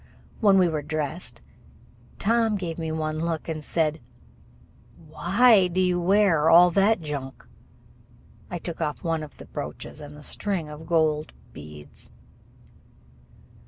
When we were dressed, Tom gave me one look and said, "Why do you wear all that junk?" I took off one of the brooches and the string of gold beads.